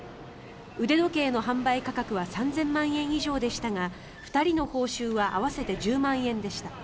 腕時計の販売価格は３０００万円以上でしたが２人の報酬は合わせて１０万円でした。